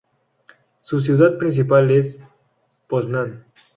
Su ciudad principal es Poznań.